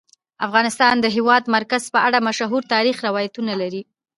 افغانستان د د هېواد مرکز په اړه مشهور تاریخی روایتونه لري.